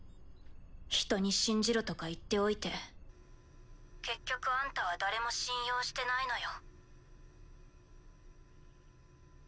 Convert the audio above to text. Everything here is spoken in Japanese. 人に信じろとか言っておいて結局あんたは誰も信用してないのよ。